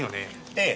ええ。